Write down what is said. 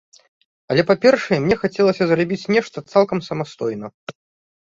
Але, па-першае, мне хацелася зрабіць нешта цалкам самастойна.